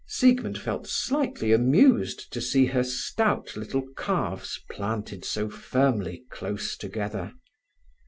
Siegmund felt slightly amused to see her stout little calves planted so firmly close together.